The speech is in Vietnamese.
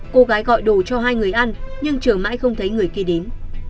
cô gái gọi đồ cho hai người ăn nhưng chờ mãi không thấy người kia đến